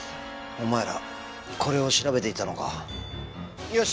お前らこれを調べていたのかよし